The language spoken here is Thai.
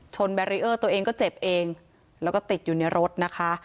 ชนตัวเองก็เจ็บเองแล้วก็ติดอยู่ในรถนะคะ